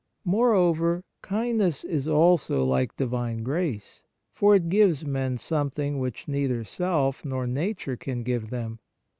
Moreover, kindness is also like Divine grace, for it gives men something which neither self nor Nature can give them.